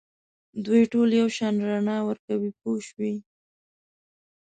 دوی ټول یو شان رڼا ورکوي پوه شوې!.